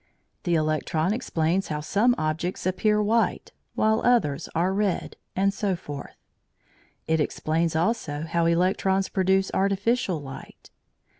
The electron explains how some objects appear white, while others are red, and so forth. It explains also how electrons produce artificial light.